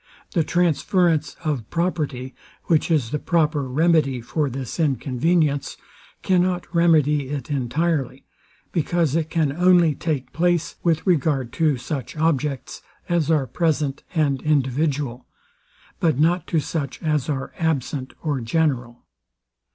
The transference of property, which is the proper remedy for this inconvenience, cannot remedy it entirely; because it can only take place with regard to such objects as are present and individual, but not to such as are absent or general.